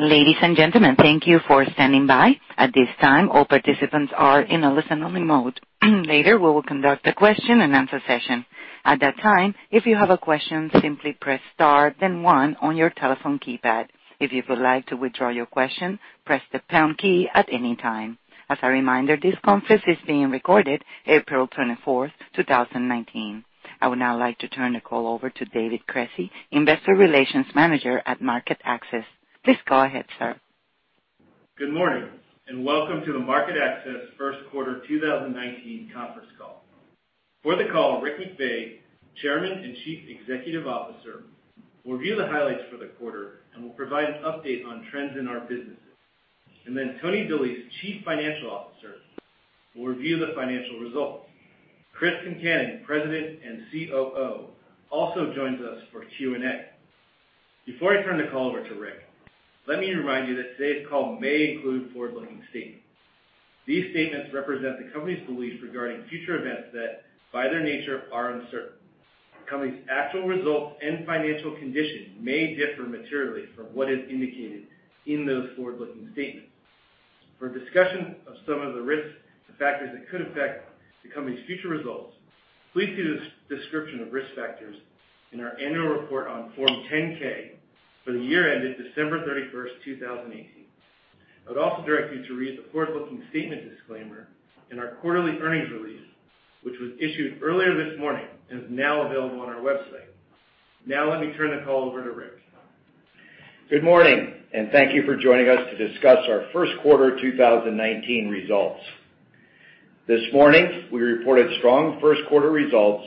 Ladies and gentlemen, thank you for standing by. At this time, all participants are in listen-only mode. Later, we will conduct a question-and-answer session. At that time, if you have a question, simply press star then one on your telephone keypad. If you would like to withdraw your question, press the pound key at any time. As a reminder, this conference is being recorded April 24th, 2019. I would now like to turn the call over to David Cresci, Investor Relations Manager at MarketAxess. Please go ahead, sir. Good morning, welcome to the MarketAxess first quarter 2019 conference call. For the call, Rick McVey, Chairman and Chief Executive Officer, will review the highlights for the quarter and will provide an update on trends in our businesses. Tony DeLise, Chief Financial Officer, will review the financial results. Chris Concannon, President and COO, also joins us for Q&A. Before I turn the call over to Rick, let me remind you that today's call may include forward-looking statements. These statements represent the company's beliefs regarding future events that, by their nature, are uncertain. The company's actual results and financial condition may differ materially from what is indicated in those forward-looking statements. For a discussion of some of the risks and factors that could affect the company's future results, please see the description of risk factors in our annual report on Form 10-K for the year ended December 31st, 2018. I would also direct you to read the forward-looking statement disclaimer in our quarterly earnings release, which was issued earlier this morning and is now available on our website. Let me turn the call over to Rick. Good morning, thank you for joining us to discuss our first quarter 2019 results. This morning, we reported strong first quarter results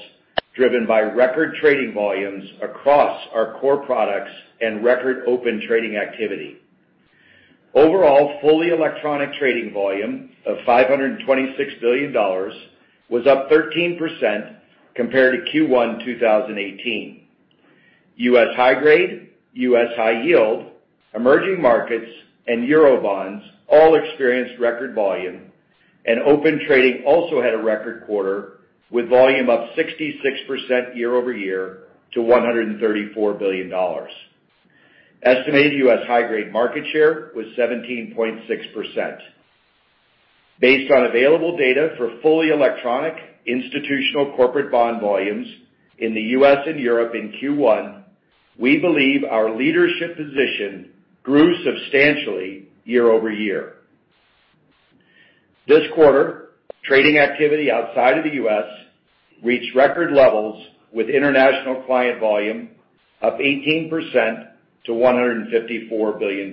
driven by record trading volumes across our core products and record Open Trading activity. Overall, fully electronic trading volume of $526 billion was up 13% compared to Q1 2018. U.S. high grade, U.S. high yield, emerging markets, and Eurobonds all experienced record volume, Open Trading also had a record quarter, with volume up 66% year-over-year to $134 billion. Estimated U.S. high-grade market share was 17.6%. Based on available data for fully electronic institutional corporate bond volumes in the U.S. and Europe in Q1, we believe our leadership position grew substantially year-over-year. This quarter, trading activity outside of the U.S. reached record levels with international client volume up 18% to $154 billion.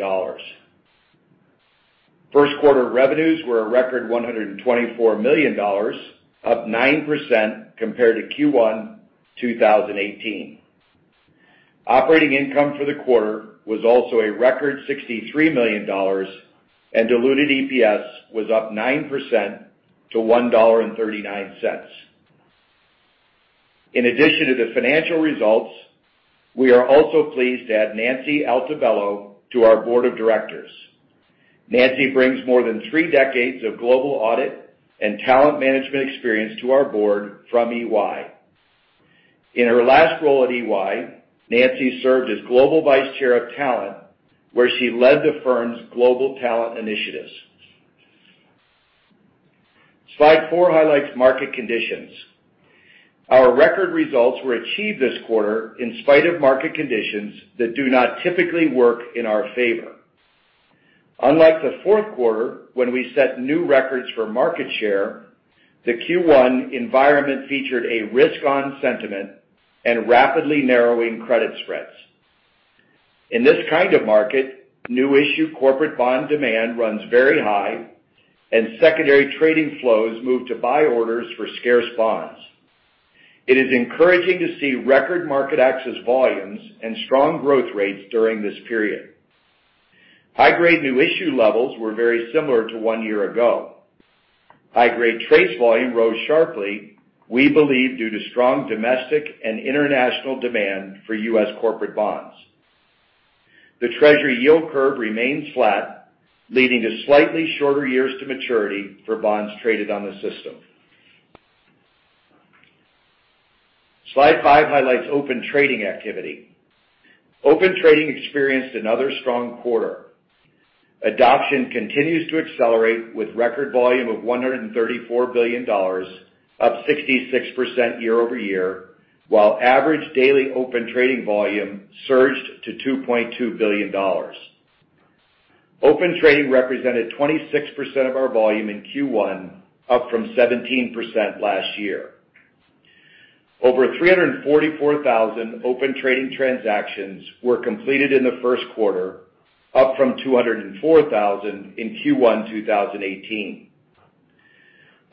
First quarter revenues were a record $124 million, up 9% compared to Q1 2018. Operating income for the quarter was also a record $63 million, and diluted EPS was up 9% to $1.39. In addition to the financial results, we are also pleased to add Nancy Altobello to our board of directors. Nancy brings more than three decades of global audit and talent management experience to our board from EY. In her last role at EY, Nancy served as Global Vice Chair of Talent, where she led the firm's global talent initiatives. Slide four highlights market conditions. Our record results were achieved this quarter in spite of market conditions that do not typically work in our favor. Unlike the fourth quarter, when we set new records for market share, the Q1 environment featured a risk-on sentiment and rapidly narrowing credit spreads. In this kind of market, new issue corporate bond demand runs very high, and secondary trading flows move to buy orders for scarce bonds. It is encouraging to see record MarketAxess volumes and strong growth rates during this period. High grade new issue levels were very similar to one year ago. High grade TRACE volume rose sharply, we believe due to strong domestic and international demand for U.S. corporate bonds. The Treasury yield curve remains flat, leading to slightly shorter years to maturity for bonds traded on the system. Slide five highlights Open Trading activity. Open Trading experienced another strong quarter. Adoption continues to accelerate with record volume of $134 billion, up 66% year-over-year, while average daily Open Trading volume surged to $2.2 billion. Open Trading represented 26% of our volume in Q1, up from 17% last year. Over 344,000 Open Trading transactions were completed in the first quarter, up from 204,000 in Q1 2018.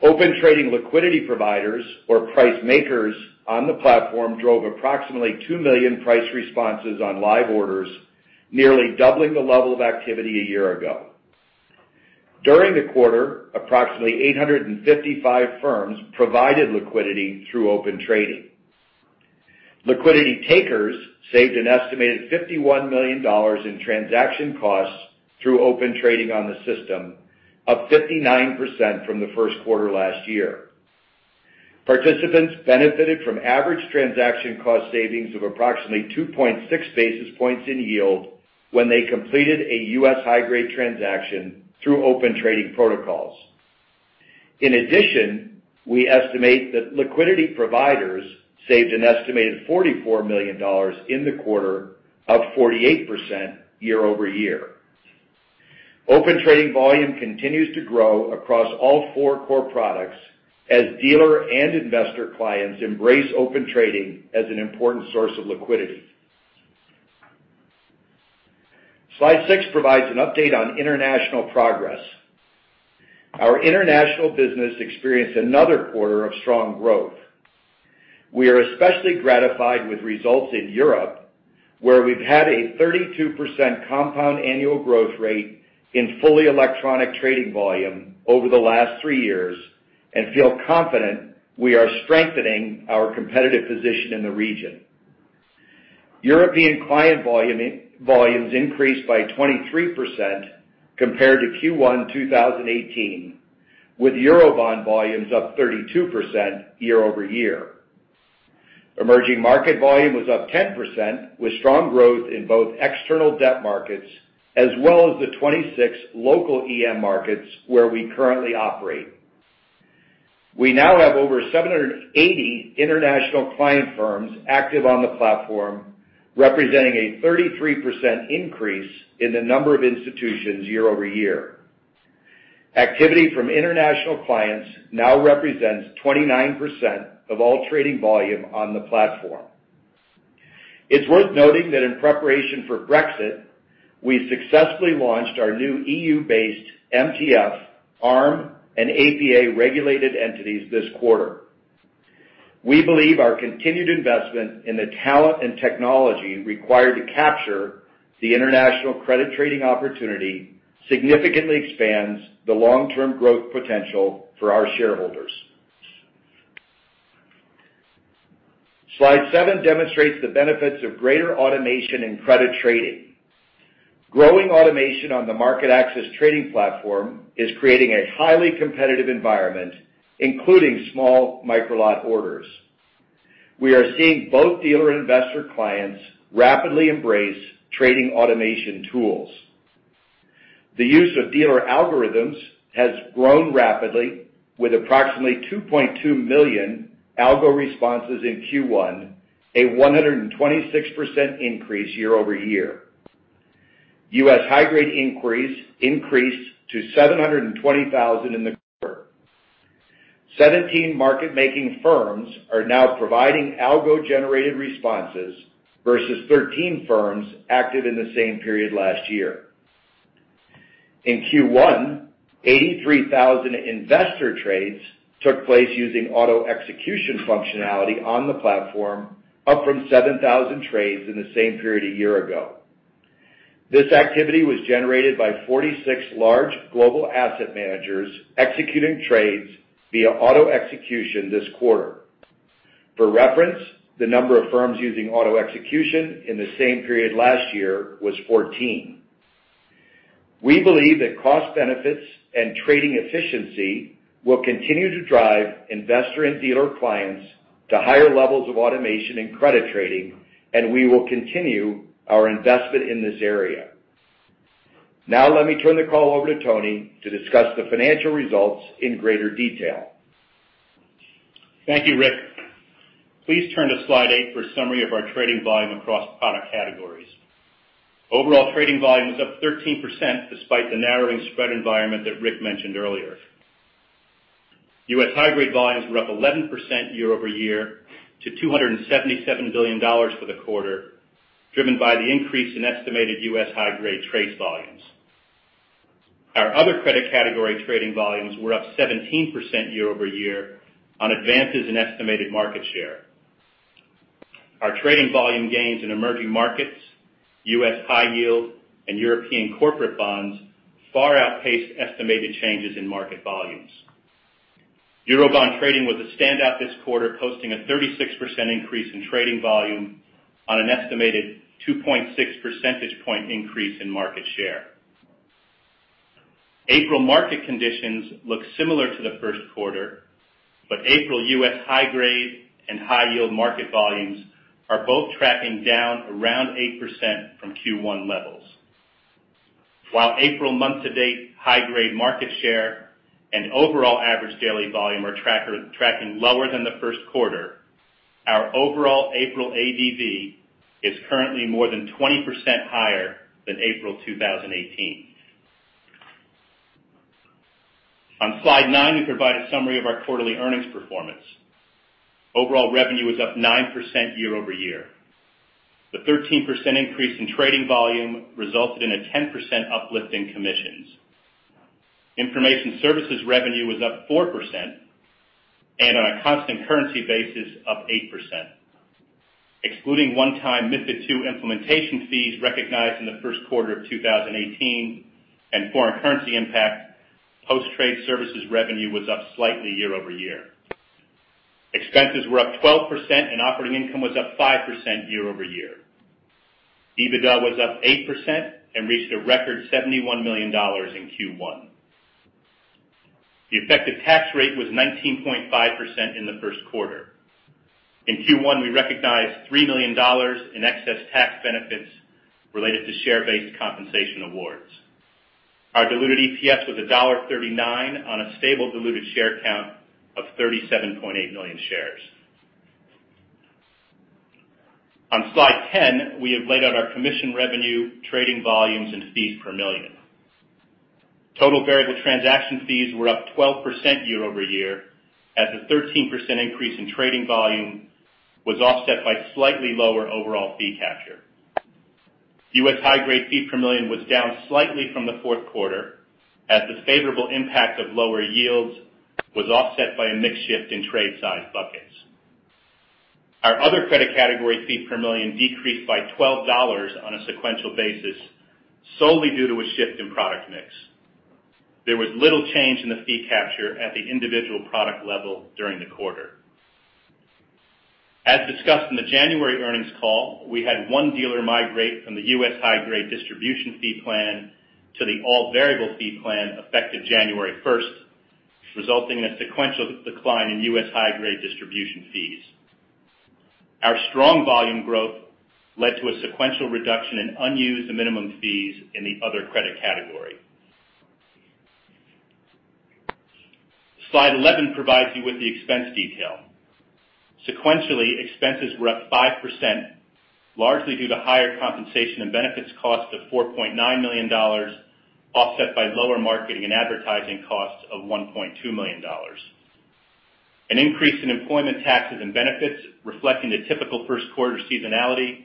Open Trading liquidity providers or price makers on the platform drove approximately 2 million price responses on live orders, nearly doubling the level of activity a year ago. During the quarter, approximately 855 firms provided liquidity through Open Trading. Liquidity takers saved an estimated $51 million in transaction costs through Open Trading on the system, up 59% from the first quarter last year. Participants benefited from average transaction cost savings of approximately 2.6 basis points in yield when they completed a U.S. high-grade transaction through Open Trading protocols. In addition, we estimate that liquidity providers saved an estimated $44 million in the quarter, up 48% year-over-year. Open Trading volume continues to grow across all four core products as dealer and investor clients embrace Open Trading as an important source of liquidity. Slide six provides an update on international progress. Our international business experienced another quarter of strong growth. We are especially gratified with results in Europe, where we've had a 32% compound annual growth rate in fully electronic trading volume over the last three years and feel confident we are strengthening our competitive position in the region. European client volumes increased by 23% compared to Q1 2018, with Eurobond volumes up 32% year-over-year. Emerging market volume was up 10%, with strong growth in both external debt markets as well as the 26 local EM markets where we currently operate. We now have over 780 international client firms active on the platform, representing a 33% increase in the number of institutions year-over-year. Activity from international clients now represents 29% of all trading volume on the platform. It's worth noting that in preparation for Brexit, we successfully launched our new EU-based MTF arm and APA-regulated entities this quarter. We believe our continued investment in the talent and technology required to capture the international credit trading opportunity significantly expands the long-term growth potential for our shareholders. Slide seven demonstrates the benefits of greater automation in credit trading. Growing automation on the MarketAxess trading platform is creating a highly competitive environment, including small micro-lot orders. We are seeing both dealer and investor clients rapidly embrace trading automation tools. The use of dealer algorithms has grown rapidly, with approximately $2.2 million algo responses in Q1, a 126% increase year-over-year. U.S. high-grade inquiries increased to 720,000 in the quarter. 17 market-making firms are now providing algo-generated responses versus 13 firms active in the same period last year. In Q1, 83,000 investor trades took place using auto-execution functionality on the platform, up from 7,000 trades in the same period a year ago. This activity was generated by 46 large global asset managers executing trades via auto-execution this quarter. For reference, the number of firms using auto-execution in the same period last year was 14. We believe that cost benefits and trading efficiency will continue to drive investor and dealer clients to higher levels of automation and credit trading, we will continue our investment in this area. Now, let me turn the call over to Tony to discuss the financial results in greater detail. Thank you, Rick. Please turn to slide eight for a summary of our trading volume across product categories. Overall trading volume was up 13%, despite the narrowing spread environment that Rick mentioned earlier. U.S. high-grade volumes were up 11% year-over-year to $277 billion for the quarter, driven by the increase in estimated U.S. high-grade trade volumes. Our other credit category trading volumes were up 17% year-over-year on advances in estimated market share. Our trading volume gains in emerging markets, U.S. high yield, and European corporate bonds far outpaced estimated changes in market volumes. Eurobond trading was a standout this quarter, posting a 36% increase in trading volume on an estimated 2.6 percentage point increase in market share. April market conditions look similar to the first quarter, April U.S. high-grade and high-yield market volumes are both tracking down around 8% from Q1 levels. While April month-to-date high-grade market share and overall average daily volume are tracking lower than the first quarter, our overall April ADV is currently more than 20% higher than April 2018. On slide nine, we provide a summary of our quarterly earnings performance. Overall revenue was up 9% year-over-year. The 13% increase in trading volume resulted in a 10% uplift in commissions. Information services revenue was up 4%, and on a constant currency basis, up 8%. Excluding one-time MiFID II implementation fees recognized in the first quarter of 2018 and foreign currency impact, post-trade services revenue was up slightly year-over-year. Expenses were up 12%, and operating income was up 5% year-over-year. EBITDA was up 8% and reached a record $71 million in Q1. The effective tax rate was 19.5% in the first quarter. In Q1, we recognized $3 million in excess tax benefits related to share-based compensation awards. Our diluted EPS was $1.39 on a stable diluted share count of 37.8 million shares. On Slide 10, we have laid out our commission revenue, trading volumes and fees per million. Total variable transaction fees were up 12% year-over-year, as a 13% increase in trading volume was offset by slightly lower overall fee capture. U.S. high-grade fee per million was down slightly from the fourth quarter, as the favorable impact of lower yields was offset by a mix shift in trade size buckets. Our other credit category fee per million decreased by $12 on a sequential basis, solely due to a shift in product mix. There was little change in the fee capture at the individual product level during the quarter. As discussed in the January earnings call, we had one dealer migrate from the U.S. high-grade distribution fee plan to the all-variable fee plan effective January 1st, resulting in a sequential decline in U.S. high-grade distribution fees. Our strong volume growth led to a sequential reduction in unused minimum fees in the other credit category. Slide 11 provides you with the expense detail. Sequentially, expenses were up 5%, largely due to higher compensation and benefits costs of $4.9 million, offset by lower marketing and advertising costs of $1.2 million. An increase in employment taxes and benefits reflecting the typical first quarter seasonality,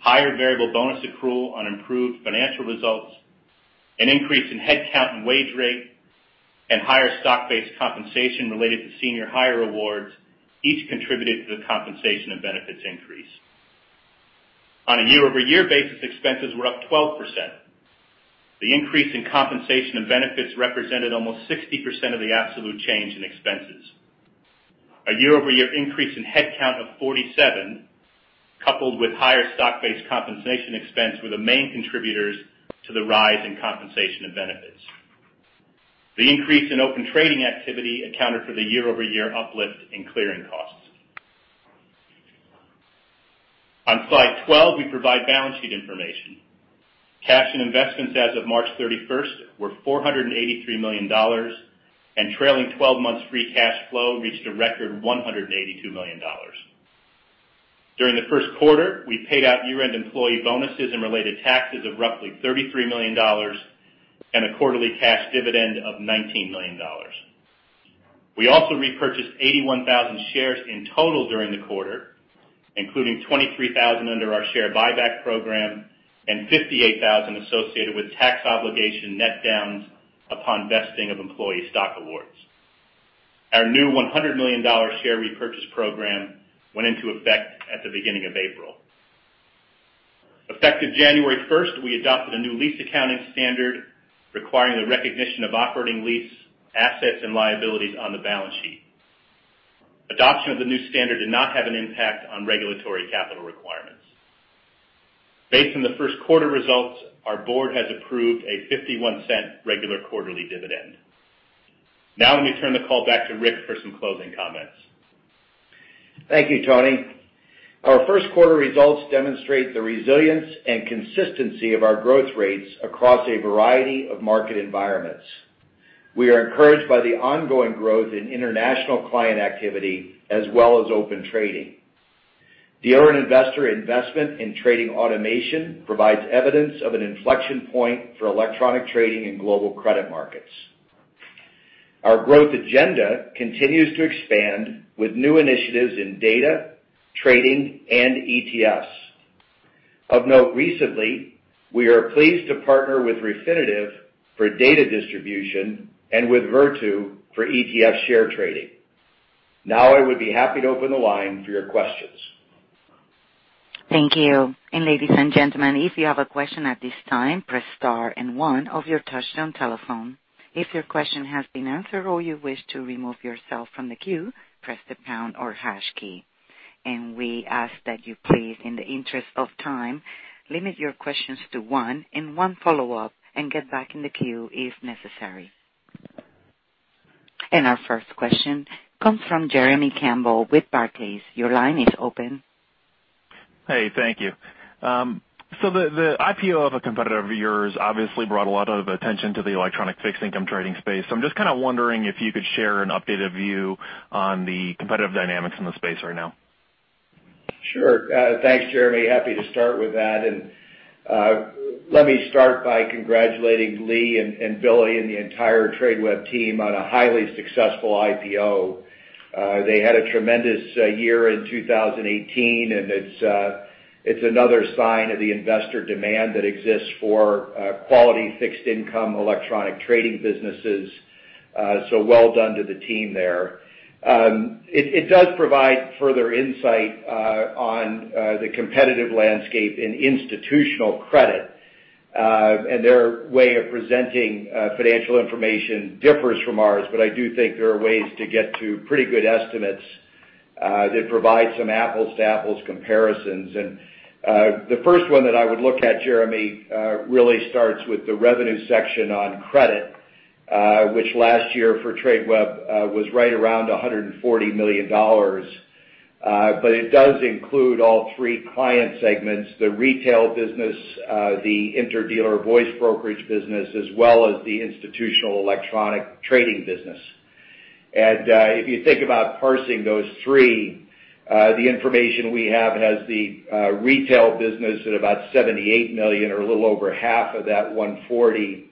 higher variable bonus accrual on improved financial results, an increase in head count and wage rate, and higher stock-based compensation related to senior hire awards, each contributed to the compensation and benefits increase. On a year-over-year basis, expenses were up 12%. The increase in compensation and benefits represented almost 60% of the absolute change in expenses. A year-over-year increase in head count of 47, coupled with higher stock-based compensation expense, were the main contributors to the rise in compensation and benefits. The increase in Open Trading activity accounted for the year-over-year uplift in clearing costs. On Slide 12, we provide balance sheet information. Cash and investments as of March 31st were $483 million, and trailing 12 months free cash flow reached a record $182 million. During the first quarter, we paid out year-end employee bonuses and related taxes of roughly $33 million and a quarterly cash dividend of $19 million. We also repurchased 81,000 shares in total during the quarter, including 23,000 under our share buyback program and 58,000 associated with tax obligation net downs upon vesting of employee stock awards. Our new $100 million share repurchase program went into effect at the beginning of April. Effective January 1st, we adopted a new lease accounting standard requiring the recognition of operating lease assets and liabilities on the balance sheet. Adoption of the new standard did not have an impact on regulatory capital requirements. Based on the first quarter results, our board has approved a $0.51 regular quarterly dividend. Let me turn the call back to Rick for some closing comments. Thank you, Tony. Our first quarter results demonstrate the resilience and consistency of our growth rates across a variety of market environments. We are encouraged by the ongoing growth in international client activity as well as Open Trading. Dealer and investor investment in trading automation provides evidence of an inflection point for electronic trading in global credit markets. Our growth agenda continues to expand with new initiatives in data, trading, and ETFs. Of note recently, we are pleased to partner with Refinitiv for data distribution and with Virtu for ETF share trading. I would be happy to open the line for your questions. Thank you. Ladies and gentlemen, if you have a question at this time, press star and one of your touchtone telephone. If your question has been answered or you wish to remove yourself from the queue, press the pound or hash key. We ask that you please, in the interest of time, limit your questions to one and one follow-up, and get back in the queue if necessary. Our first question comes from Jeremy Campbell with Barclays. Your line is open. Hey, thank you. The IPO of a competitor of yours obviously brought a lot of attention to the electronic fixed income trading space. I'm just kind of wondering if you could share an updated view on the competitive dynamics in the space right now. Sure. Thanks, Jeremy. Happy to start with that. Let me start by congratulating Lee and Billy and the entire Tradeweb team on a highly successful IPO. They had a tremendous year in 2018, it's another sign of the investor demand that exists for quality fixed income electronic trading businesses. Well done to the team there. It does provide further insight on the competitive landscape in institutional credit. Their way of presenting financial information differs from ours, I do think there are ways to get to pretty good estimates that provide some apples-to-apples comparisons. The first one that I would look at, Jeremy, really starts with the revenue section on credit, which last year for Tradeweb was right around $140 million. It does include all three client segments, the retail business, the inter-dealer voice brokerage business, as well as the institutional electronic trading business. If you think about parsing those three, the information we have has the retail business at about $78 million or a little over half of that $140.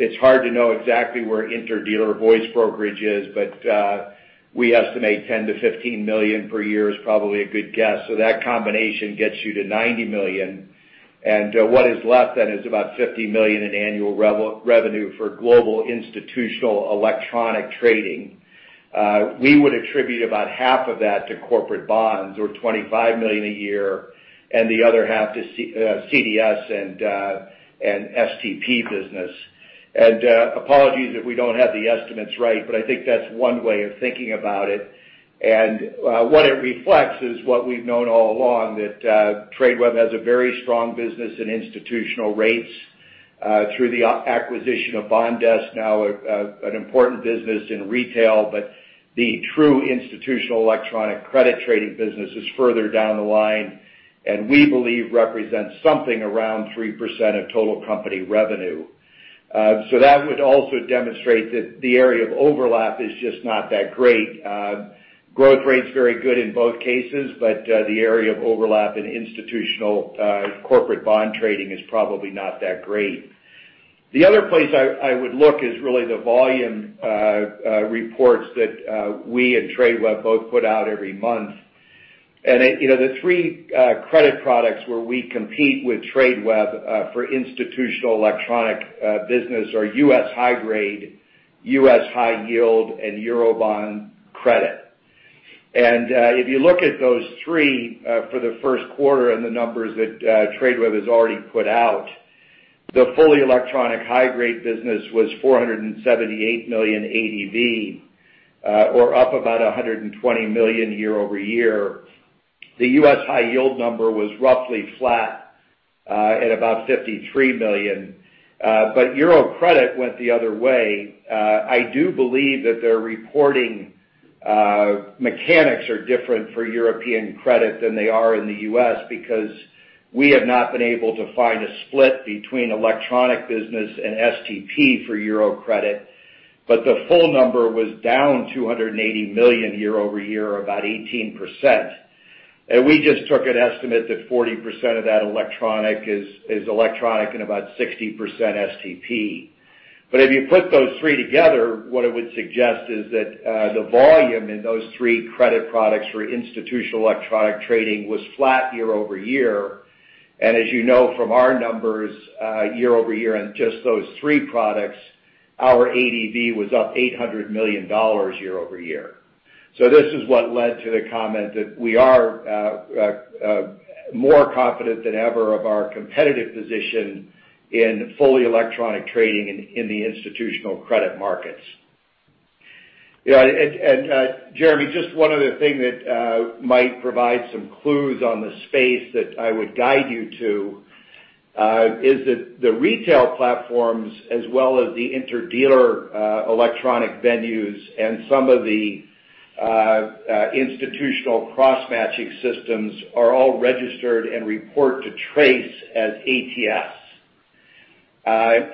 It's hard to know exactly where inter-dealer voice brokerage is, we estimate $10 million-$15 million per year is probably a good guess, that combination gets you to $90 million. What is left then is about $50 million in annual revenue for global institutional electronic trading. We would attribute about half of that to corporate bonds or $25 million a year and the other half to CDS and STP business. Apologies if we don't have the estimates right, I think that's one way of thinking about it. What it reflects is what we've known all along, that Tradeweb has a very strong business in institutional rates through the acquisition of BondDesk, now an important business in retail, the true institutional electronic credit trading business is further down the line and we believe represents something around 3% of total company revenue. That would also demonstrate that the area of overlap is just not that great. Growth rate's very good in both cases, the area of overlap in institutional corporate bond trading is probably not that great. The other place I would look is really the volume reports that we and Tradeweb both put out every month. The three credit products where we compete with Tradeweb for institutional electronic business are U.S. high-grade, U.S. high-yield, and Eurobond credit. If you look at those three for the first quarter and the numbers that Tradeweb has already put out, the fully electronic high-grade business was $478 million ADV, or up about $120 million year-over-year. The U.S. high-yield number was roughly flat at about $53 million. Euro credit went the other way. I do believe that their reporting mechanics are different for European credit than they are in the U.S. because we have not been able to find a split between electronic business and STP for Euro credit. The full number was down $280 million year-over-year or about 18%. We just took an estimate that 40% of that electronic is electronic and about 60% STP. If you put those three together, what it would suggest is that the volume in those three credit products for institutional electronic trading was flat year-over-year. As you know from our numbers, year-over-year in just those three products, our ADV was up $800 million year-over-year. This is what led to the comment that we are more confident than ever of our competitive position in fully electronic trading in the institutional credit markets. Jeremy, just one other thing that might provide some clues on the space that I would guide you to is that the retail platforms, as well as the inter-dealer electronic venues and some of the institutional cross-matching systems, are all registered and report to TRACE as ATS.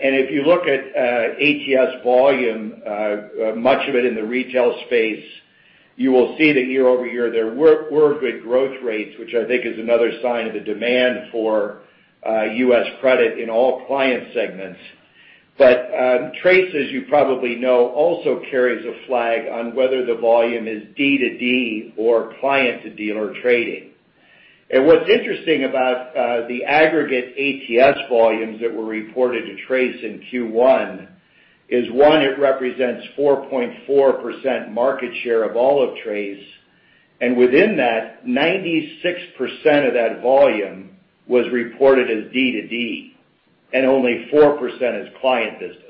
If you look at ATS volume, much of it in the retail space, you will see that year-over-year, there were good growth rates, which I think is another sign of the demand for U.S. credit in all client segments. TRACE, as you probably know, also carries a flag on whether the volume is D2D or client-to-dealer trading. What's interesting about the aggregate ATS volumes that were reported to TRACE in Q1 is, one, it represents 4.4% market share of all of TRACE. Within that, 96% of that volume was reported as D2D and only 4% as client business.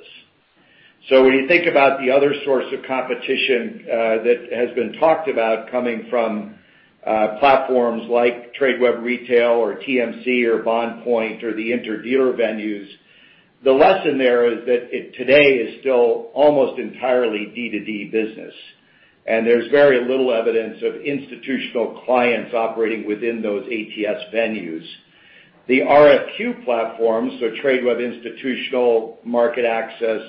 When you think about the other source of competition that has been talked about coming from platforms like Tradeweb Retail or TMC or BondPoint or the inter-dealer venues, the lesson there is that it today is still almost entirely D2D business. There's very little evidence of institutional clients operating within those ATS venues. The RFQ platforms, Tradeweb Institutional, MarketAxess,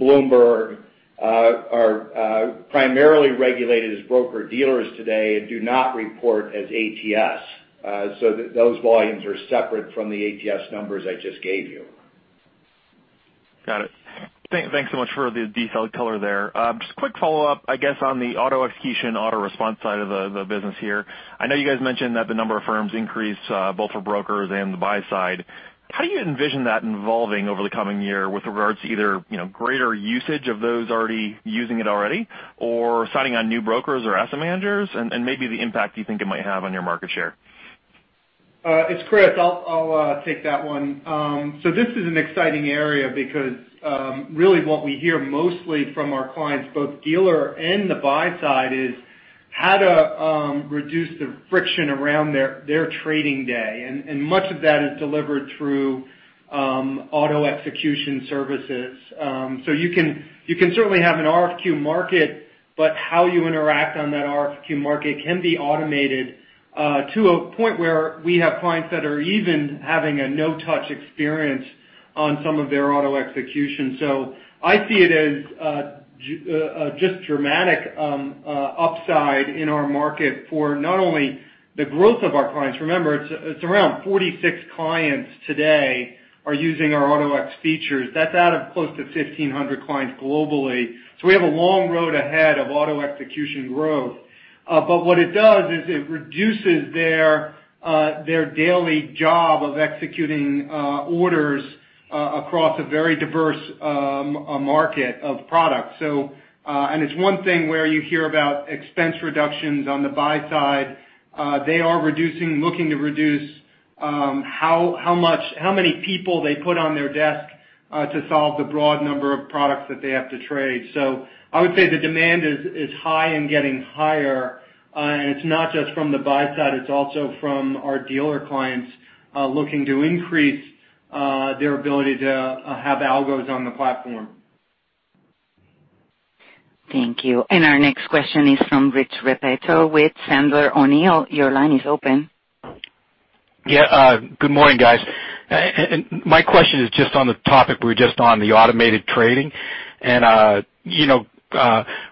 Bloomberg, are primarily regulated as broker-dealers today and do not report as ATS. Those volumes are separate from the ATS numbers I just gave you. Got it. Thanks so much for the detailed color there. Just a quick follow-up, I guess, on the auto-execution, auto-response side of the business here. I know you guys mentioned that the number of firms increased both for brokers and the buy side. How do you envision that evolving over the coming year with regards to either greater usage of those using it already or signing on new brokers or asset managers? Maybe the impact you think it might have on your market share? It's Chris. I'll take that one. This is an exciting area because really what we hear mostly from our clients, both dealer and the buy side, is how to reduce the friction around their trading day. Much of that is delivered through auto execution services. You can certainly have an RFQ market, but how you interact on that RFQ market can be automated to a point where we have clients that are even having a no-touch experience on some of their Auto-Ex. I see it as just dramatic upside in our market for not only the growth of our clients. Remember, it's around 46 clients today are using our Auto-Ex features. That's out of close to 1,500 clients globally. We have a long road ahead of auto execution growth. What it does is it reduces their daily job of executing orders across a very diverse market of products. It's one thing where you hear about expense reductions on the buy side. They are looking to reduce how many people they put on their desk to solve the broad number of products that they have to trade. I would say the demand is high and getting higher. It's not just from the buy side, it's also from our dealer clients looking to increase their ability to have algos on the platform. Thank you. Our next question is from Rich Repetto with Sandler O'Neill. Your line is open. Yeah. Good morning, guys. My question is just on the topic we were just on, the automated trading.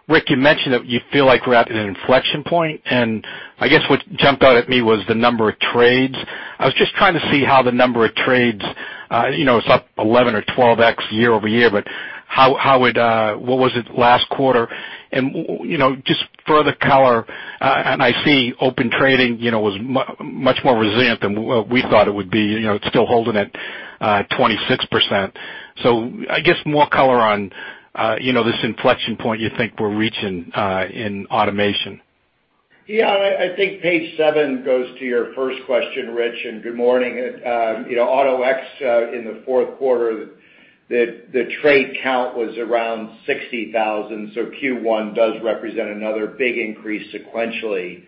Rick, you mentioned that you feel like we're at an inflection point, I guess what jumped out at me was the number of trades. I was just trying to see how the number of trades, it's up 11 or 12x year-over-year, but what was it last quarter? Just further color, I see Open Trading was much more resilient than we thought it would be. It's still holding at 26%. I guess more color on this inflection point you think we're reaching in automation. I think page seven goes to your first question, Rich, and good morning. Auto-Ex in the fourth quarter, the trade count was around 60,000. Q1 does represent another big increase sequentially.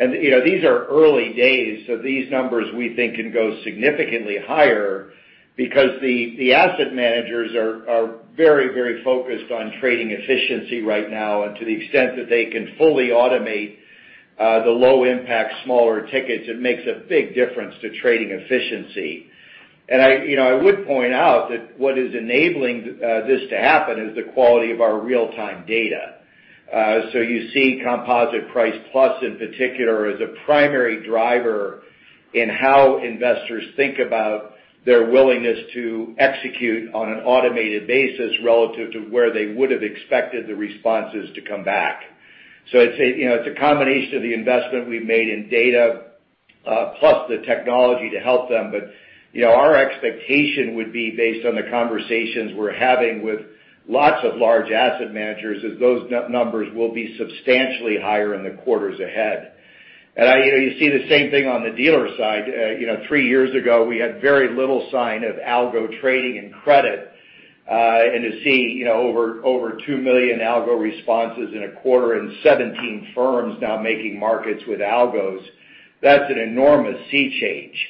These are early days, these numbers we think can go significantly higher because the asset managers are very focused on trading efficiency right now. To the extent that they can fully automate the low impact, smaller tickets, it makes a big difference to trading efficiency. I would point out that what is enabling this to happen is the quality of our real-time data. You see Composite+ in particular as a primary driver in how investors think about their willingness to execute on an automated basis relative to where they would have expected the responses to come back. I'd say it's a combination of the investment we've made in data, plus the technology to help them. Our expectation would be based on the conversations we're having with lots of large asset managers, as those numbers will be substantially higher in the quarters ahead. You see the same thing on the dealer side. Three years ago, we had very little sign of algo trading and credit. To see over 2 million algo responses in a quarter and 17 firms now making markets with algos, that's an enormous sea change.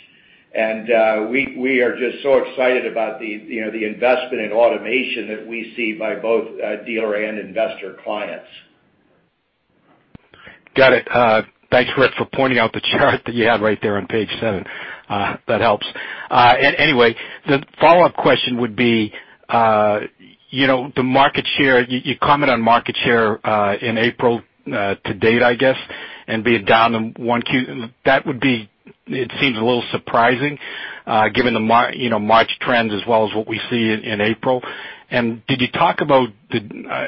We are just so excited about the investment in automation that we see by both dealer and investor clients. Got it. Thanks, Rick, for pointing out the chart that you had right there on page seven. That helps. The follow-up question would be the market share. You comment on market share in April to date, I guess, and being down in 1Q. It seems a little surprising given the March trends as well as what we see in April. Did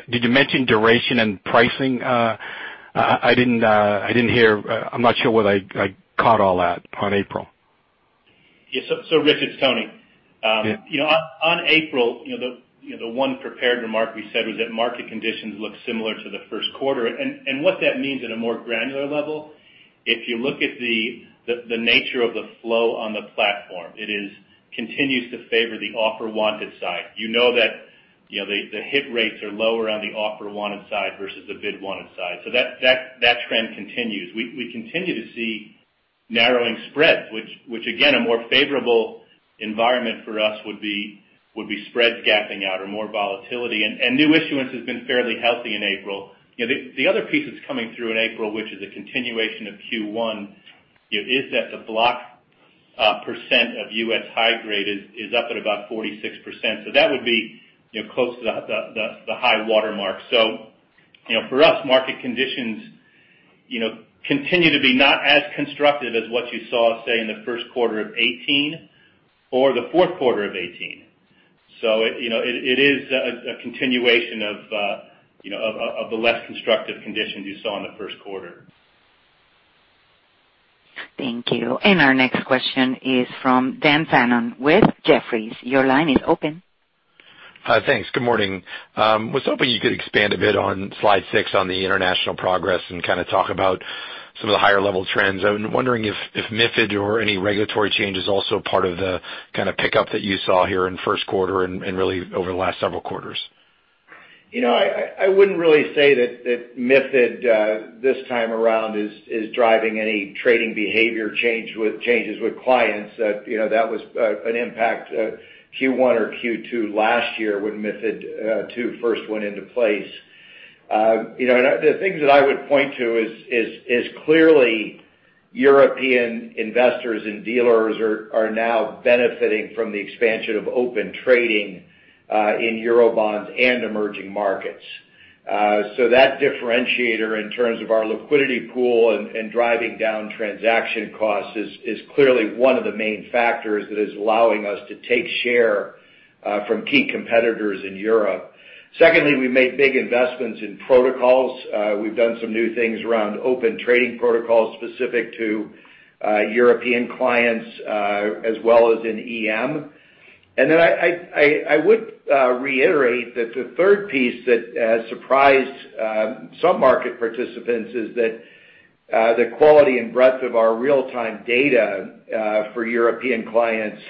you mention duration and pricing? I'm not sure whether I caught all that on April. Rich, it's Tony. Yeah. On April, the one prepared remark we said was that market conditions look similar to the first quarter. What that means at a more granular level, if you look at the nature of the flow on the platform, it continues to favor the offer wanted side. You know that the hit rates are lower on the offer wanted side versus the bid wanted side. That trend continues. We continue to see narrowing spreads, which again, a more favorable environment for us would be spreads gapping out or more volatility. New issuance has been fairly healthy in April. The other piece that's coming through in April, which is a continuation of Q1, is that the block percent of U.S. high grade is up at about 46%. That would be close to the high water mark. For us, market conditions continue to be not as constructive as what you saw, say, in the first quarter of 2018 or the fourth quarter of 2018. It is a continuation of the less constructive conditions you saw in the first quarter. Thank you. Our next question is from Daniel Fannon with Jefferies. Your line is open. Hi, thanks. Good morning. I was hoping you could expand a bit on slide six on the international progress and kind of talk about some of the higher-level trends. I'm wondering if MiFID or any regulatory change is also part of the kind of pickup that you saw here in first quarter and really over the last several quarters. I wouldn't really say that MiFID this time around is driving any trading behavior changes with clients. That was an impact Q1 or Q2 last year when MiFID II first went into place. The things that I would point to is clearly European investors and dealers are now benefiting from the expansion of Open Trading in Eurobonds and emerging markets. That differentiator in terms of our liquidity pool and driving down transaction costs is clearly one of the main factors that is allowing us to take share from key competitors in Europe. Secondly, we've made big investments in protocols. We've done some new things around Open Trading protocols specific to European clients, as well as in EM. I would reiterate that the third piece that surprised some market participants is that the quality and breadth of our real-time data for European clients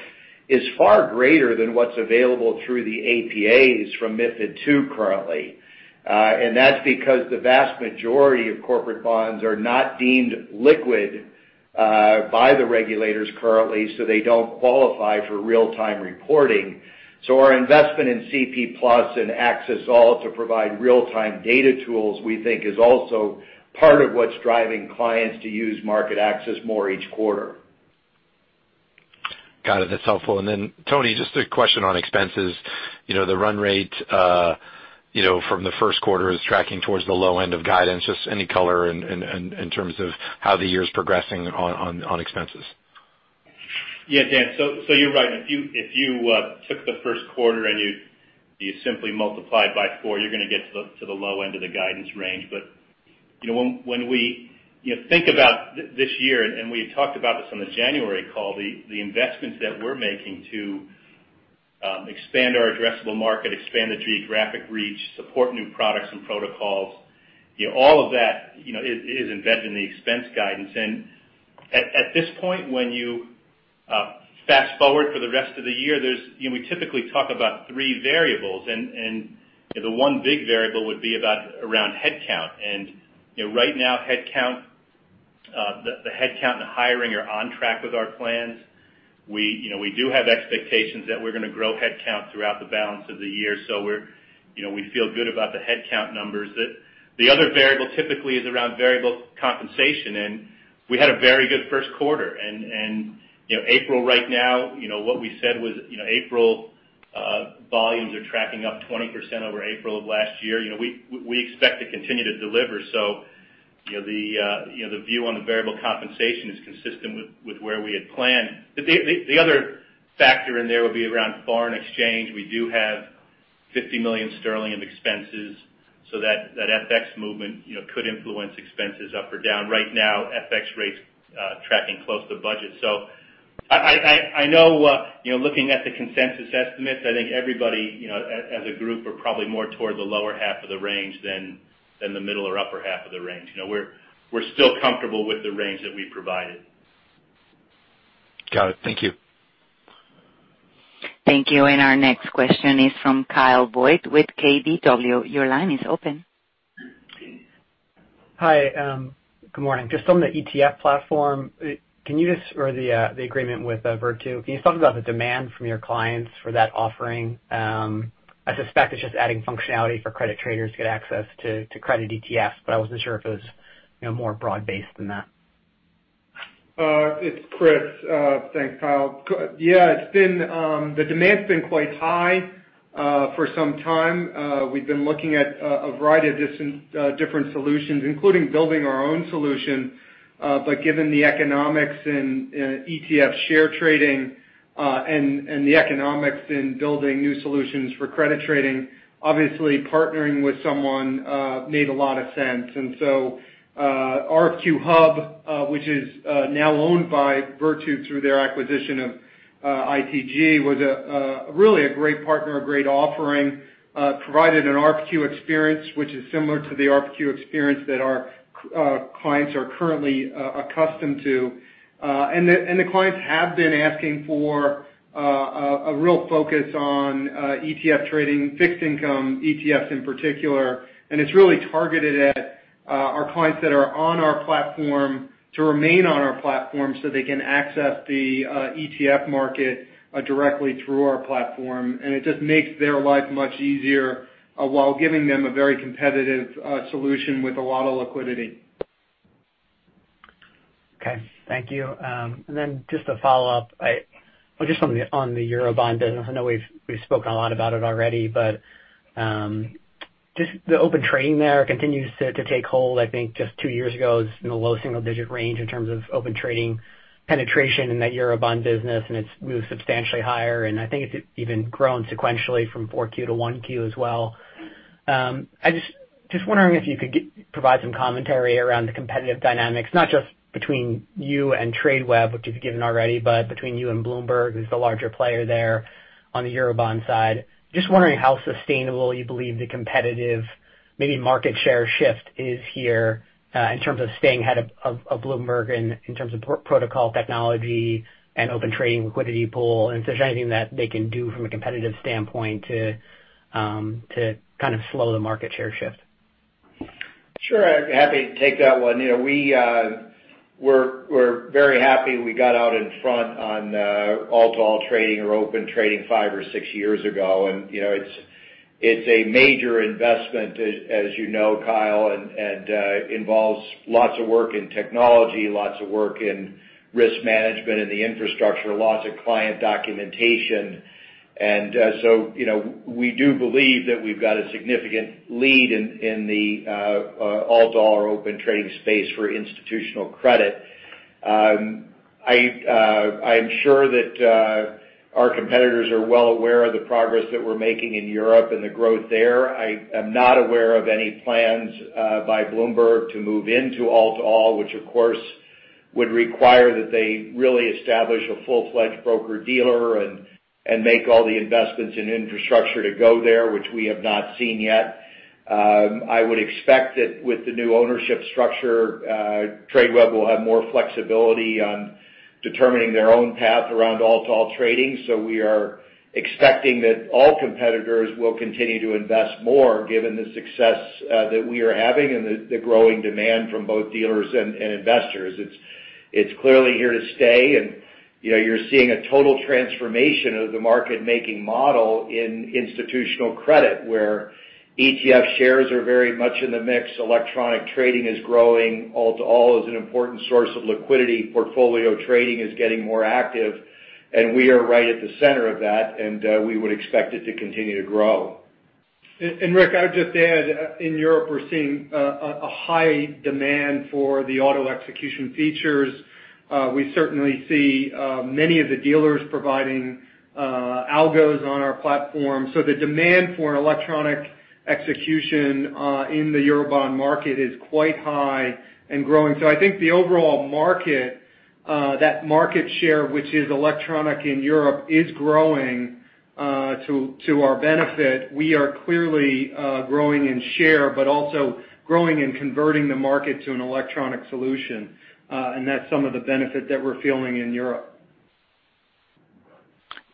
is far greater than what's available through the APAs from MiFID II currently. That's because the vast majority of corporate bonds are not deemed liquid by the regulators currently, so they don't qualify for real-time reporting. Our investment in CP+ and Axess All to provide real-time data tools, we think is also part of what's driving clients to use MarketAxess more each quarter. Got it. That's helpful. Tony, just a question on expenses. The run rate from the first quarter is tracking towards the low end of guidance. Just any color in terms of how the year is progressing on expenses. Yeah, Dan. You're right. If you took the first quarter and you simply multiply it by 4, you're going to get to the low end of the guidance range. When we think about this year, and we had talked about this on the January call, the investments that we're making to expand our addressable market, expand the geographic reach, support new products and protocols, all of that is embedded in the expense guidance. At this point, when you fast-forward for the rest of the year, we typically talk about 3 variables. The one big variable would be about around headcount. Right now, the headcount and hiring are on track with our plans. We do have expectations that we're going to grow headcount throughout the balance of the year. We feel good about the headcount numbers. The other variable typically is around variable compensation. We had a very good first quarter. April right now, what we said was April volumes are tracking up 20% over April of last year. We expect to continue to deliver. The view on the variable compensation is consistent with where we had planned. The other factor in there would be around foreign exchange. We do have 50 million sterling in expenses so that FX movement could influence expenses up or down. Right now, FX rates tracking close to budget. I know looking at the consensus estimates, I think everybody as a group are probably more toward the lower half of the range than the middle or upper half of the range. We're still comfortable with the range that we provided. Got it. Thank you. Thank you. Our next question is from Kyle Voigt with KBW. Your line is open. Hi. Good morning. Just on the ETF platform or the agreement with Virtu, can you talk about the demand from your clients for that offering? I suspect it's just adding functionality for credit traders to get access to credit ETFs, but I wasn't sure if it was more broad-based than that. It's Chris. Thanks, Kyle. The demand's been quite high for some time. We've been looking at a variety of different solutions, including building our own solution. Given the economics in ETF share trading, and the economics in building new solutions for credit trading, obviously partnering with someone made a lot of sense. RFQ-hub, which is now owned by Virtu through their acquisition of ITG, was really a great partner, a great offering. Provided an RFQ experience, which is similar to the RFQ experience that our clients are currently accustomed to. The clients have been asking for a real focus on ETF trading, fixed income ETFs in particular, and it's really targeted at our clients that are on our platform to remain on our platform so they can access the ETF market directly through our platform. It just makes their life much easier, while giving them a very competitive solution with a lot of liquidity. Okay. Thank you. Just a follow-up. Just on the Eurobond business, I know we've spoken a lot about it already, but the Open Trading there continues to take hold. I think just two years ago, it was in the low single-digit range in terms of Open Trading penetration in that Eurobond business, and it's moved substantially higher, and I think it's even grown sequentially from 4Q to 1Q as well. Just wondering if you could provide some commentary around the competitive dynamics, not just between you and Tradeweb, which you've given already, but between you and Bloomberg, who's the larger player there on the Eurobond side. Just wondering how sustainable you believe the competitive, maybe market share shift is here, in terms of staying ahead of Bloomberg and in terms of protocol technology and Open Trading liquidity pool, and if there's anything that they can do from a competitive standpoint to slow the market share shift. Sure. Happy to take that one. We're very happy we got out in front on all-to-all trading or Open Trading 5 or 6 years ago. It's a major investment as you know, Kyle, and involves lots of work in technology, lots of work in risk management, in the infrastructure, lots of client documentation. We do believe that we've got a significant lead in the all-to-all or Open Trading space for institutional credit. I am sure that our competitors are well aware of the progress that we're making in Europe and the growth there. I am not aware of any plans by Bloomberg to move into all-to-all, which of course would require that they really establish a full-fledged broker-dealer and make all the investments in infrastructure to go there, which we have not seen yet. I would expect that with the new ownership structure, Tradeweb will have more flexibility on determining their own path around all-to-all trading. We are expecting that all competitors will continue to invest more given the success that we are having and the growing demand from both dealers and investors. It's clearly here to stay, and you're seeing a total transformation of the market-making model in institutional credit, where ETF shares are very much in the mix, electronic trading is growing, all-to-all is an important source of liquidity, portfolio trading is getting more active, and we are right at the center of that, and we would expect it to continue to grow. Rick, I would just add, in Europe, we're seeing a high demand for the auto execution features. We certainly see many of the dealers providing algos on our platform. The demand for an electronic execution in the Eurobond market is quite high and growing. I think the overall market, that market share, which is electronic in Europe, is growing to our benefit. We are clearly growing in share, but also growing and converting the market to an electronic solution. That's some of the benefit that we're feeling in Europe.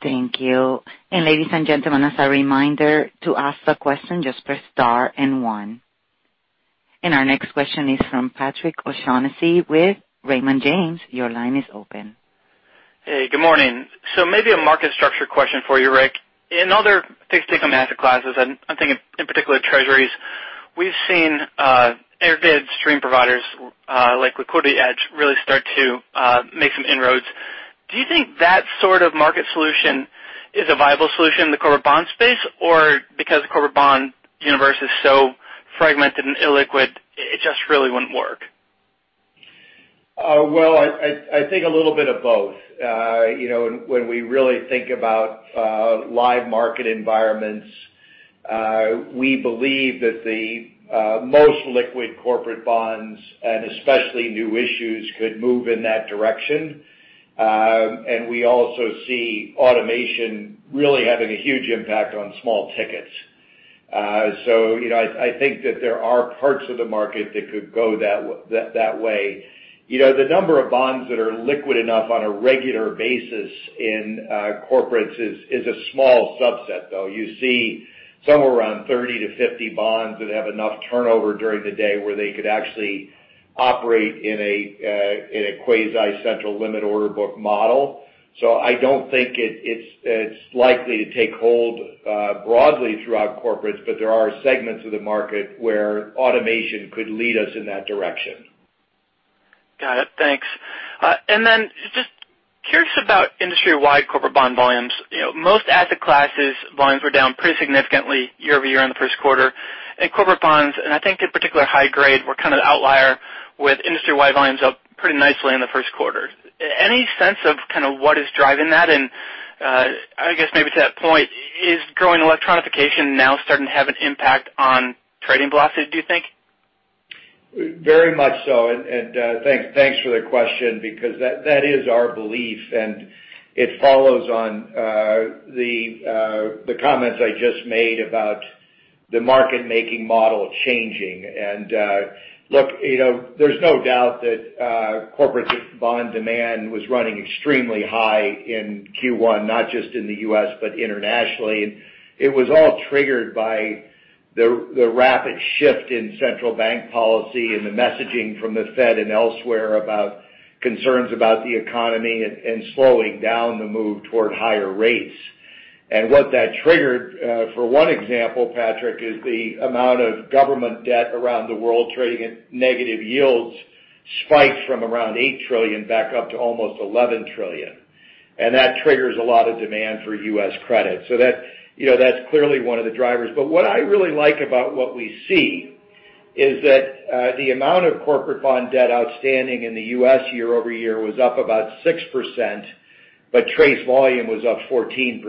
Thank you. Ladies and gentlemen, as a reminder, to ask a question, just press star and one. Our next question is from Patrick O'Shaughnessy with Raymond James. Your line is open. Hey, good morning. Maybe a market structure question for you, Rick. In other fixed income asset classes, and I'm thinking in particular U.S. Treasuries, we've seen aggregated streaming providers, like LiquidityEdge, really start to make some inroads. Do you think that sort of market solution is a viable solution in the corporate bond space? Because the corporate bond universe is so fragmented and illiquid, it just really wouldn't work? Well, I think a little bit of both. When we really think about live market environments, we believe that the most liquid corporate bonds, and especially new issues, could move in that direction. We also see automation really having a huge impact on small tickets. I think that there are parts of the market that could go that way. The number of bonds that are liquid enough on a regular basis in corporates is a small subset, though. You see somewhere around 30-50 bonds that have enough turnover during the day where they could actually operate in a quasi-central limit order book model. I don't think it's likely to take hold broadly throughout corporates, but there are segments of the market where automation could lead us in that direction. Got it. Thanks. Then just curious about industry-wide corporate bond volumes. Most asset classes volumes were down pretty significantly year-over-year in the first quarter. Corporate bonds, and I think in particular high grade, were kind of the outlier with industry-wide volumes up pretty nicely in the first quarter. Any sense of what is driving that? I guess maybe to that point, is growing electronification now starting to have an impact on trading blocks, do you think? Very much so. Thanks for the question because that is our belief, and it follows on the comments I just made about the market-making model changing. Look, there's no doubt that corporate bond demand was running extremely high in Q1, not just in the U.S., but internationally. It was all triggered by the rapid shift in central bank policy and the messaging from the Fed and elsewhere about concerns about the economy and slowing down the move toward higher rates. What that triggered, for one example, Patrick, is the amount of government debt around the world trading at negative yields spiked from around $8 trillion back up to almost $11 trillion. That triggers a lot of demand for U.S. credit. That's clearly one of the drivers. What I really like about what we see is that the amount of corporate bond debt outstanding in the U.S. year-over-year was up about 6%. TRACE volume was up 14%.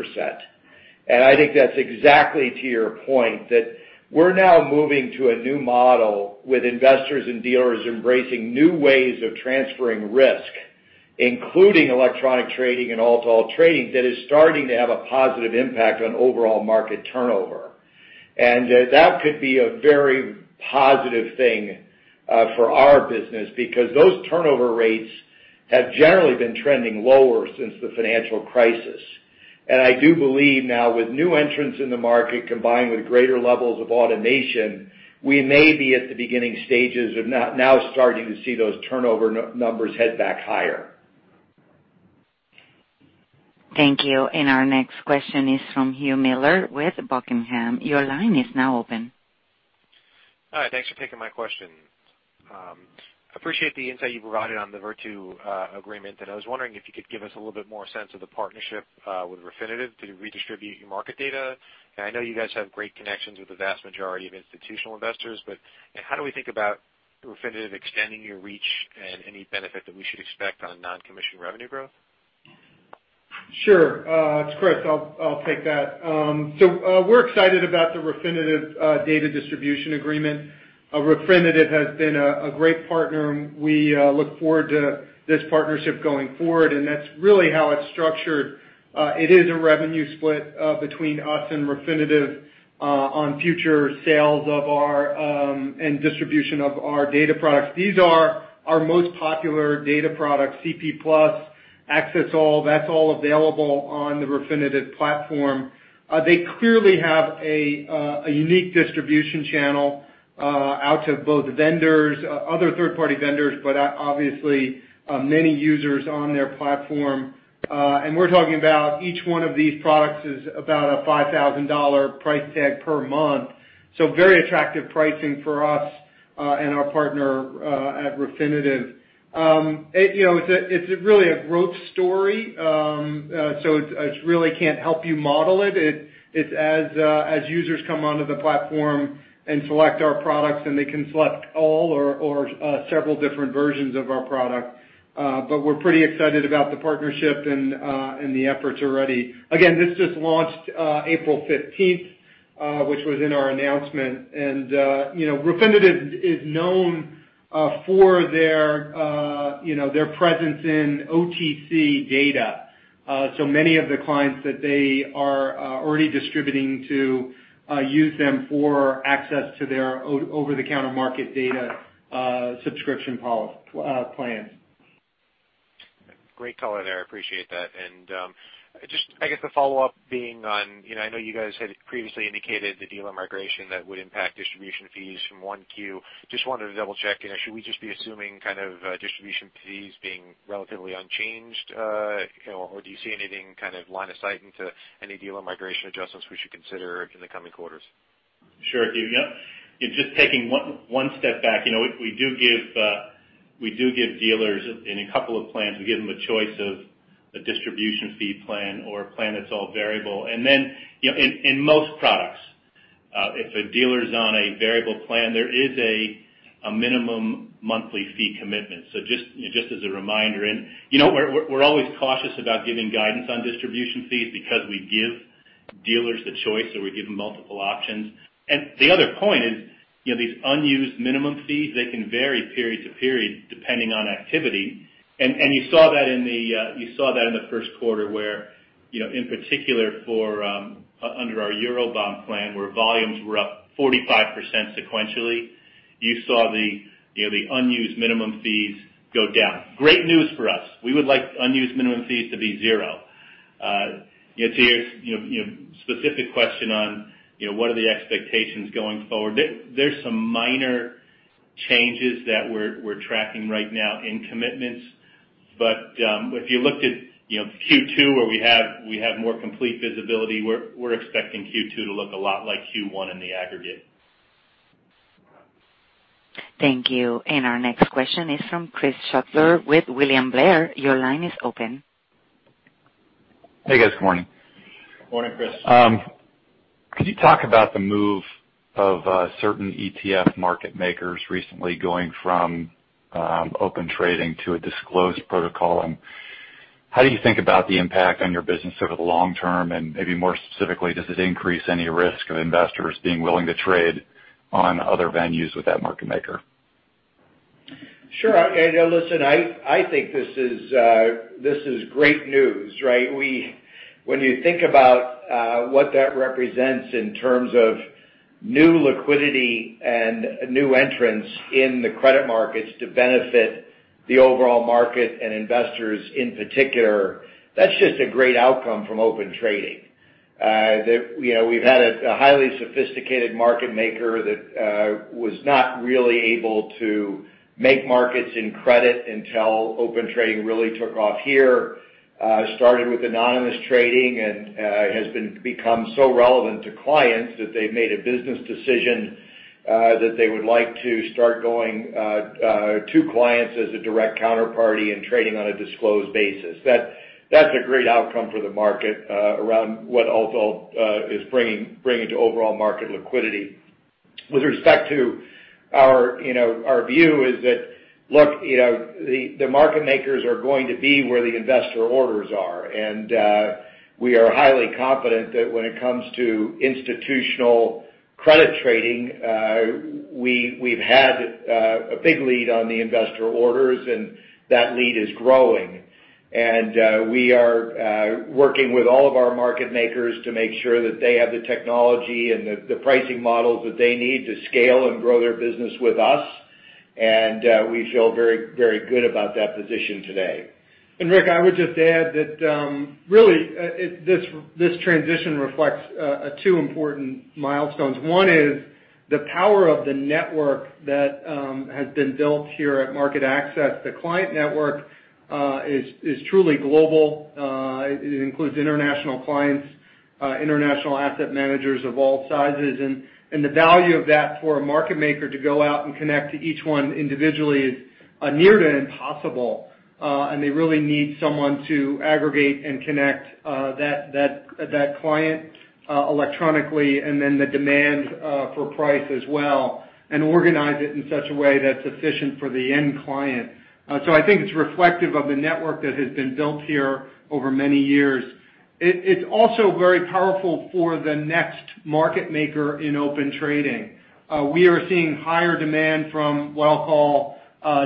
I think that's exactly to your point, that we're now moving to a new model with investors and dealers embracing new ways of transferring risk, including electronic trading and all-to-all trading, that is starting to have a positive impact on overall market turnover. That could be a very positive thing for our business, because those turnover rates have generally been trending lower since the financial crisis. I do believe now with new entrants in the market, combined with greater levels of automation, we may be at the beginning stages of now starting to see those turnover numbers head back higher. Thank you. Our next question is from Hugh Miller with Buckingham. Your line is now open. Hi. Thanks for taking my question. Appreciate the insight you provided on the Virtu agreement. I was wondering if you could give us a little bit more sense of the partnership with Refinitiv to redistribute your market data. I know you guys have great connections with the vast majority of institutional investors, but how do we think about Refinitiv extending your reach and any benefit that we should expect on non-commission revenue growth? Sure. It's Chris. We're excited about the Refinitiv data distribution agreement. Refinitiv has been a great partner. We look forward to this partnership going forward. That's really how it's structured. It is a revenue split between us and Refinitiv on future sales and distribution of our data products. These are our most popular data products, CP+, Axess All. That's all available on the Refinitiv platform. They clearly have a unique distribution channel out to both vendors, other third-party vendors, but obviously, many users on their platform. We're talking about each one of these products is about a $5,000 price tag per month. Very attractive pricing for us and our partner at Refinitiv. It's really a growth story. I really can't help you model it. It's as users come onto the platform and select our products. They can select all or several different versions of our product. We're pretty excited about the partnership and the efforts already. Again, this just launched April 15th, which was in our announcement. Refinitiv is known for their presence in OTC data. Many of the clients that they are already distributing to use them for access to their over-the-counter market data subscription plans. Great color there. Appreciate that. Just, I guess the follow-up being on. I know you guys had previously indicated the dealer migration that would impact distribution fees from 1Q. Just wanted to double-check, should we just be assuming distribution fees being relatively unchanged? Or do you see anything line of sight into any dealer migration adjustments we should consider in the coming quarters? Sure, Hugh. Yeah. Just taking one step back. We do give dealers, in a couple of plans, we give them a choice of a distribution fee plan or a plan that's all variable. In most products, if a dealer's on a variable plan, there is a minimum monthly fee commitment. Just as a reminder. We're always cautious about giving guidance on distribution fees because we give dealers the choice, or we give them multiple options. The other point is, these unused minimum fees, they can vary period to period depending on activity. You saw that in the first quarter where, in particular under our Eurobond plan, where volumes were up 45% sequentially. You saw the unused minimum fees go down. Great news for us. We would like unused minimum fees to be zero. To your specific question on what are the expectations going forward, there's some minor changes that we're tracking right now in commitments. If you looked at Q2 where we have more complete visibility, we're expecting Q2 to look a lot like Q1 in the aggregate. Thank you. Our next question is from Chris Shutler with William Blair. Your line is open. Hey, guys. Good morning. Morning, Chris. Could you talk about the move of certain ETF market makers recently going from Open Trading to a disclosed protocol, and how do you think about the impact on your business over the long term, and maybe more specifically, does it increase any risk of investors being willing to trade on other venues with that market maker? Sure. Listen, I think this is great news, right? When you think about what that represents in terms of new liquidity and new entrants in the credit markets to benefit the overall market and investors in particular, that's just a great outcome from Open Trading. We've had a highly sophisticated market maker that was not really able to make markets in credit until Open Trading really took off here. Started with anonymous trading and has become so relevant to clients that they've made a business decision that they would like to start going to clients as a direct counterparty and trading on a disclosed basis. That's a great outcome for the market around what all-to-all is bringing to overall market liquidity. With respect to our view is that, look, the market makers are going to be where the investor orders are. We are highly confident that when it comes to institutional credit trading, we've had a big lead on the investor orders, and that lead is growing. We are working with all of our market makers to make sure that they have the technology and the pricing models that they need to scale and grow their business with us. We feel very good about that position today. Rick, I would just add that, really, this transition reflects two important milestones. One is the power of the network that has been built here at MarketAxess. The client network is truly global. It includes international clients, international asset managers of all sizes. The value of that for a market maker to go out and connect to each one individually is near to impossible. They really need someone to aggregate and connect that client electronically and then the demand for price as well, and organize it in such a way that's efficient for the end client. I think it's reflective of the network that has been built here over many years. It's also very powerful for the next market maker in Open Trading. We are seeing higher demand from what I'll call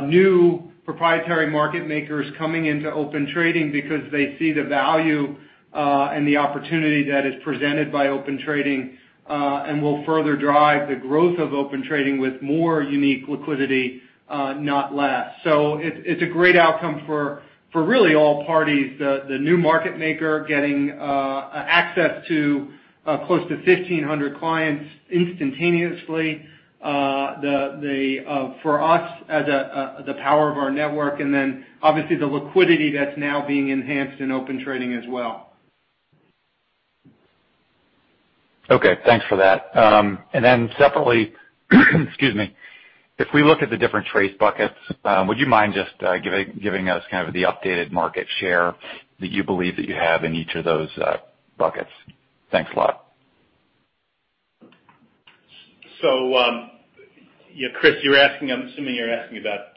new proprietary market makers coming into Open Trading because they see the value and the opportunity that is presented by Open Trading, and will further drive the growth of Open Trading with more unique liquidity, not less. It's a great outcome for really all parties. The new market maker getting access to close to 1,500 clients instantaneously. For us, the power of our network, and then obviously the liquidity that's now being enhanced in Open Trading as well. Okay. Thanks for that. Separately, excuse me, if we look at the different TRACE buckets, would you mind just giving us kind of the updated market share that you believe that you have in each of those buckets? Thanks a lot. Yeah, Chris, I'm assuming you're asking about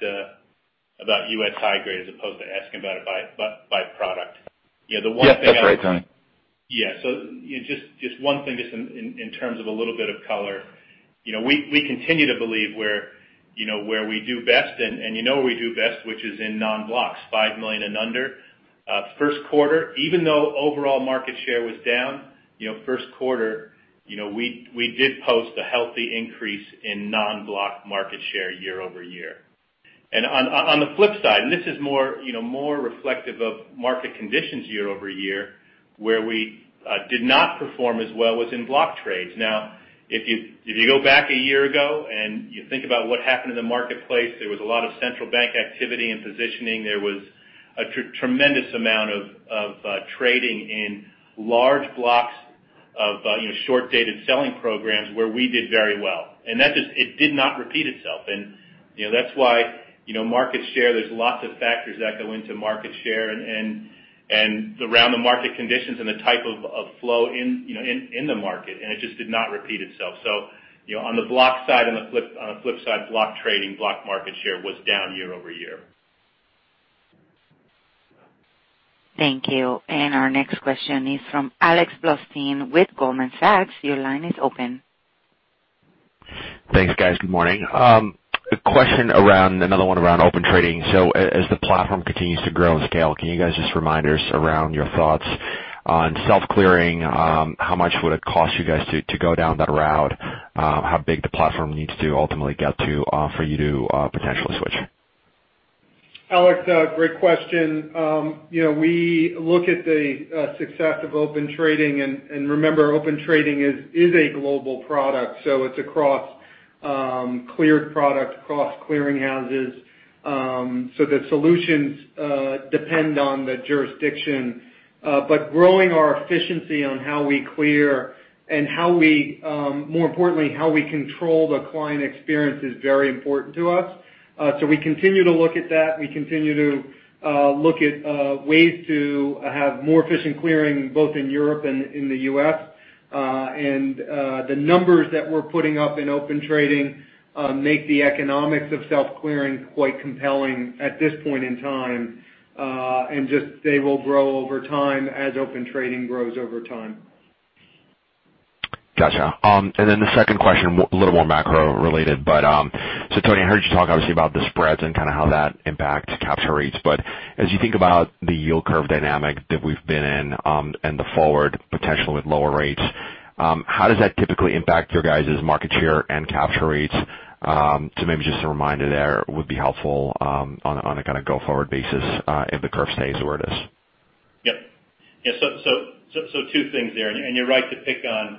U.S. high-grade as opposed to asking about it by product. Yes, that's right, Tony. Just one thing, just in terms of a little bit of color. We continue to believe where we do best and you know we do best, which is in non-blocks, $5 million and under. First quarter, even though overall market share was down, first quarter we did post a healthy increase in non-block market share year-over-year. On the flip side, and this is more reflective of market conditions year-over-year, where we did not perform as well was in block trades. Now, if you go back a year ago and you think about what happened in the marketplace, there was a lot of central bank activity and positioning. There was a tremendous amount of trading in large blocks of short-dated selling programs where we did very well. It did not repeat itself. That's why market share, there's lots of factors that go into market share and around the market conditions and the type of flow in the market, and it just did not repeat itself. On the block side, on the flip side, block trading, block market share was down year-over-year. Thank you. Our next question is from Alex Blostein with Goldman Sachs. Your line is open. Thanks, guys. Good morning. A question around, another one around Open Trading. As the platform continues to grow and scale, can you guys just remind us around your thoughts on self-clearing? How much would it cost you guys to go down that route? How big the platform needs to ultimately get to for you to potentially switch? Alex, great question. We look at the success of Open Trading, remember, Open Trading is a global product, so it is across cleared product, across clearing houses. The solutions depend on the jurisdiction. Growing our efficiency on how we clear and more importantly, how we control the client experience is very important to us. We continue to look at that. We continue to look at ways to have more efficient clearing, both in Europe and in the U.S. The numbers that we're putting up in Open Trading make the economics of self-clearing quite compelling at this point in time. Just they will grow over time as Open Trading grows over time. Gotcha. Then the second question, a little more macro-related. Tony, I heard you talk obviously about the spreads and kind of how that impacts capture rates. But as you think about the yield curve dynamic that we've been in, and the forward potential with lower rates, how does that typically impact your guys' market share and capture rates? Maybe just a reminder there would be helpful on a kind of go-forward basis if the curve stays where it is. Yep. Two things there. You're right to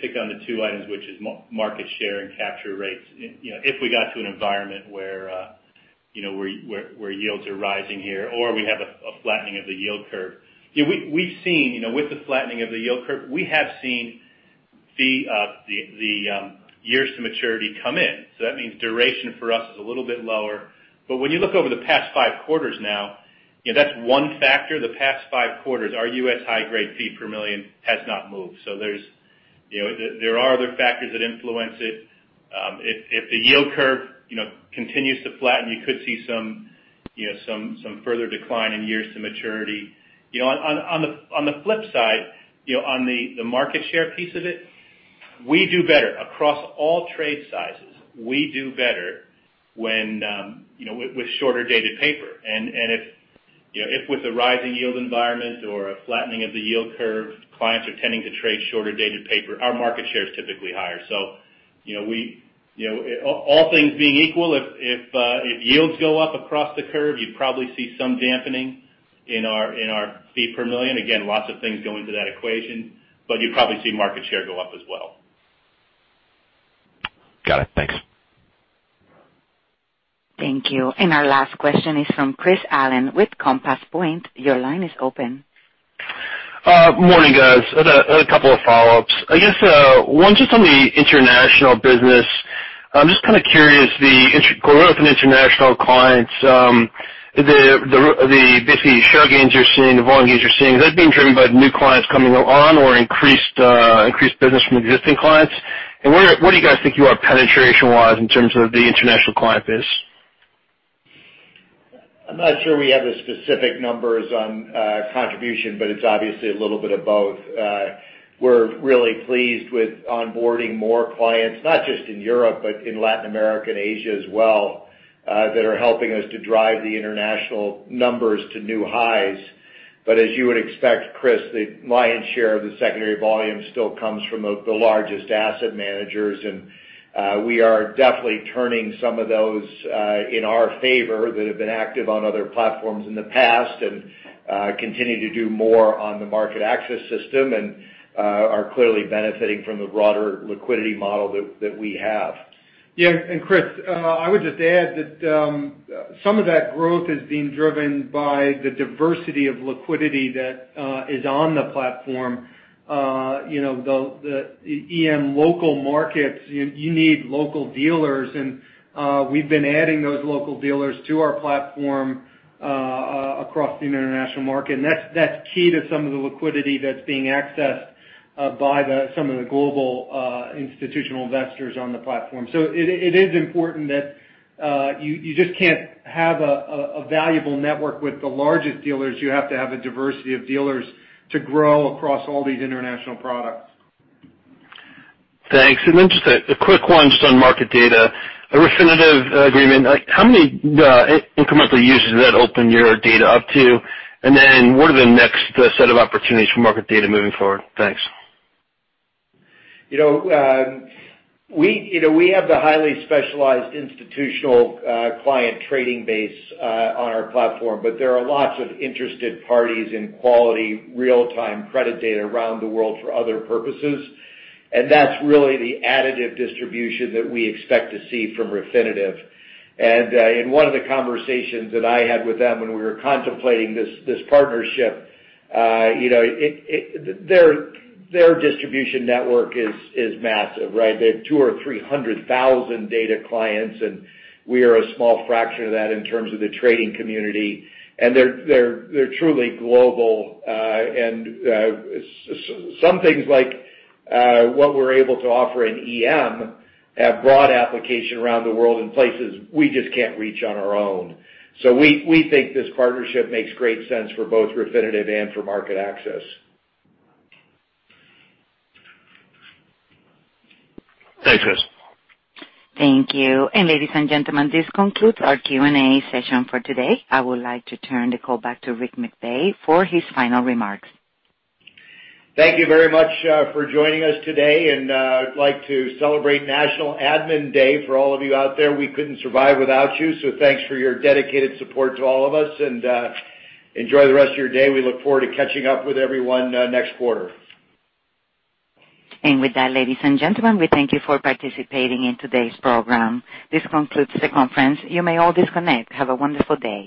pick on the two items, which is market share and capture rates. If we got to an environment where yields are rising here or we have a flattening of the yield curve. With the flattening of the yield curve, we have seen the years to maturity come in. That means duration for us is a little bit lower. But when you look over the past five quarters now, that's one factor. The past five quarters, our U.S. high grade fee per million has not moved. There are other factors that influence it. If the yield curve continues to flatten, you could see some further decline in years to maturity. On the flip side, on the market share piece of it, we do better. Across all trade sizes, we do better with shorter-dated paper. If with a rising yield environment or a flattening of the yield curve, clients are tending to trade shorter-dated paper, our market share is typically higher. All things being equal, if yields go up across the curve, you'd probably see some dampening in our fee per million. Again, lots of things go into that equation, but you'd probably see market share go up as well. Got it. Thanks. Thank you. Our last question is from Chris Allen with Compass Point. Your line is open. Morning, guys. A couple of follow-ups. I guess, one, just on the international business. I'm just kind of curious, the growth in international clients, basically the share gains you're seeing, the volume gains you're seeing, is that being driven by the new clients coming on or increased business from existing clients? Where do you guys think you are penetration-wise in terms of the international client base? I'm not sure we have the specific numbers on contribution. It's obviously a little bit of both. We're really pleased with onboarding more clients, not just in Europe, but in Latin America and Asia as well, that are helping us to drive the international numbers to new highs. As you would expect, Chris, the lion's share of the secondary volume still comes from the largest asset managers. We are definitely turning some of those in our favor that have been active on other platforms in the past and continue to do more on the MarketAxess system and are clearly benefiting from the broader liquidity model that we have. Yeah, Chris, I would just add that some of that growth is being driven by the diversity of liquidity that is on the platform. The EM local markets, you need local dealers, and we've been adding those local dealers to our platform across the international market, and that's key to some of the liquidity that's being accessed by some of the global institutional investors on the platform. It is important that you just can't have a valuable network with the largest dealers. You have to have a diversity of dealers to grow across all these international products. Thanks. Just a quick one just on Market Data. Refinitiv agreement, how many incremental users does that open your data up to? What are the next set of opportunities for Market Data moving forward? Thanks. We have the highly specialized institutional client trading base on our platform, but there are lots of interested parties in quality, real-time credit data around the world for other purposes. That's really the additive distribution that we expect to see from Refinitiv. In one of the conversations that I had with them when we were contemplating this partnership, their distribution network is massive, right? They have 200,000 or 300,000 data clients, and we are a small fraction of that in terms of the trading community. They're truly global. Some things like what we're able to offer in EM have broad application around the world in places we just can't reach on our own. We think this partnership makes great sense for both Refinitiv and for MarketAxess. Thanks, guys. Thank you. Ladies and gentlemen, this concludes our Q&A session for today. I would like to turn the call back to Richard McVey for his final remarks. Thank you very much for joining us today, and I'd like to celebrate National Admin Day for all of you out there. We couldn't survive without you, so thanks for your dedicated support to all of us, and enjoy the rest of your day. We look forward to catching up with everyone next quarter. With that, ladies and gentlemen, we thank you for participating in today's program. This concludes the conference. You may all disconnect. Have a wonderful day.